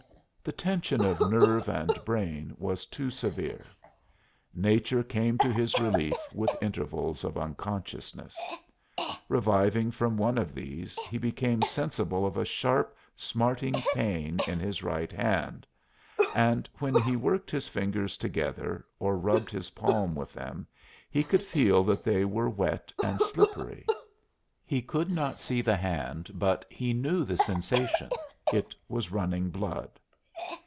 The tension of nerve and brain was too severe; nature came to his relief with intervals of unconsciousness. Reviving from one of these he became sensible of a sharp, smarting pain in his right hand, and when he worked his fingers together, or rubbed his palm with them, he could feel that they were wet and slippery. He could not see the hand, but he knew the sensation; it was running blood.